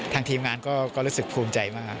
ทีมงานก็รู้สึกภูมิใจมาก